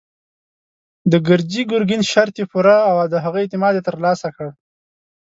د ګرجي ګرګين شرط يې پوره او د هغه اعتماد يې تر لاسه کړ.